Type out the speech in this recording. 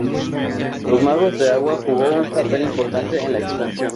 Los Magos de agua jugó un papel importante en la expansión.